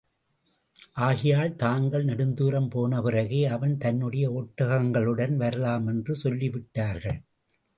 ஆகையால், தாங்கள் நெடுந்துரம் போனபிறகே, அவன் தன்னுடைய ஒட்டகங்களுடன் வரலாமென்று சொல்லிவிட்டார்கள்.